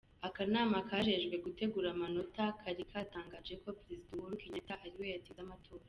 Akanama kajejwe gutegura amatora kari katangaje ko prezida Uhuru Kenyatta ari we yatsinze amatora.